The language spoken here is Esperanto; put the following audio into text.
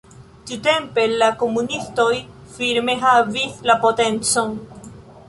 Tiutempe la komunistoj firme havis la potencon.